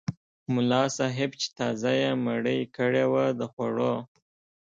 ملا صاحب چې تازه یې مړۍ کړې وه د خوړو.